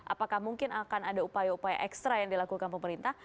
apakah mungkin akan ada upaya upaya ekstra yang dilakukan pemerintah